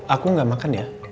aku gak makan ya